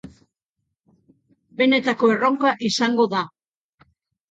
Benetako erronka izango da.